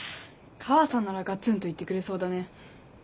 川さんならガツンと言ってくれそうだね。